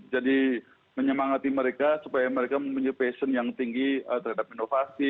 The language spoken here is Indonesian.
jadi menyemangati mereka supaya mereka memiliki passion yang tinggi terhadap inovasi